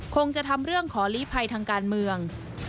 คงจะทำเรื่องขอลีภัยทางการเมือง